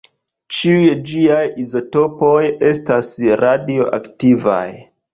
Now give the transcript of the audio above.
Ĉiuj ĝiaj izotopoj estas radioaktivaj.